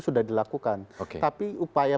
sudah dilakukan tapi upaya